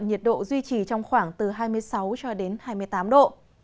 nhiệt độ duy trì trong khoảng từ hai mươi sáu cho đến hai mươi tám độ